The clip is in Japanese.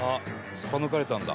すっぱ抜かれたんだ。